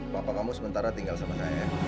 bapak kamu sementara tinggal sama saya